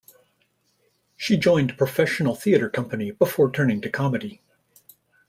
She joined a professional theatre company before turning to comedy.